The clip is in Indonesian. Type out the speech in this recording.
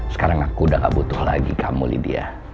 sekarang aku udah gak butuh lagi kamu lydia